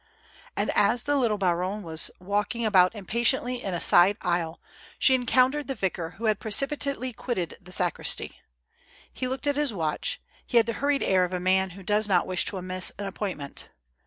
And, as the little baronne was walking about impa soo THE FAST. I tiently in a side aisle, she encountered the vicar wlio had precipitately quitted the sacristy. He looked at his watch, he had the hurried air of a man who does not wish to miss an appointment.